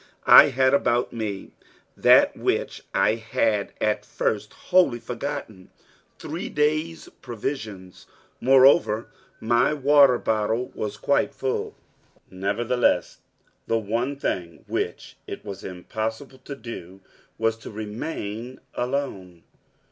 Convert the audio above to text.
I had about me that which I had at first wholly forgotten three days' provisions. Moreover, my water bottle was quite full. Nevertheless, the one thing which it was impossible to do was to remain alone.